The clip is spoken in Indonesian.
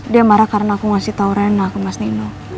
dia marah karena aku ngasih tau rena ke mas nino